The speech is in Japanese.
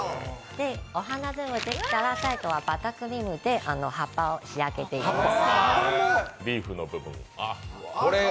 お花が全部できたら最後はバタークリームで葉っぱを仕上げていきます。